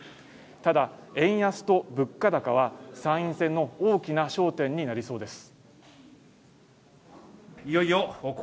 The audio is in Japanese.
ただ円安と物価高は参院選の大きな焦点になりそうです